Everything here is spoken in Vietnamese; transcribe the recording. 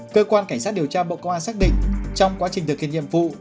cơ quan cảnh sát điều tra bộ công an xác định trong quá trình thực hiện nhiệm vụ